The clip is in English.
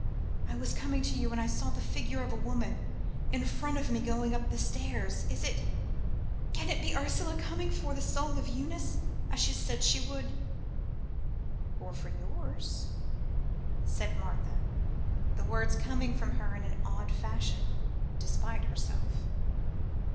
"I was coming to you when I saw the figure of a woman in front of me going up the stairs. Is it can it be Ursula come for the soul of Eunice, as she said she would?" "Or for yours?" said Martha, the words coming from her in some odd fashion, despite herself.